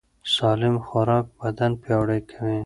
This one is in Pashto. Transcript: سالم خوراک بدن پیاوړی کوي.